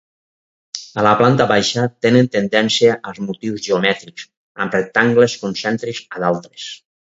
A la planta baixa tenen tendència als motius geomètrics, amb rectangles concèntrics a d'altres.